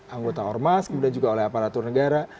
anggota ormas kemudian juga oleh aparatur negara